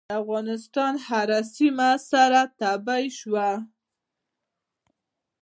د افغانستان هره سیمه سره تبۍ شوه.